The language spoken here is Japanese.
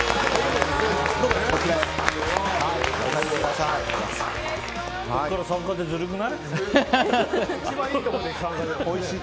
ここから参加ってずるくない？